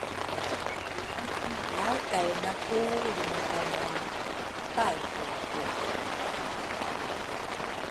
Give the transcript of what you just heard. lawkainaku lrimakamua Taihuku.